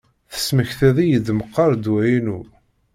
Tesmektiḍ-iyi-d meqqar ddwa-inu.